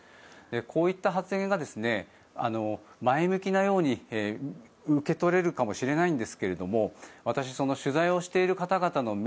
こういった発言が前向きなように受け取れるかもしれないんですが私、取材をしている方々の目